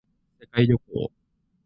世界旅行